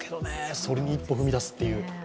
それに一歩踏み出すという。